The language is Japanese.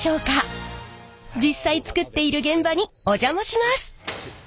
実際作っている現場にお邪魔します。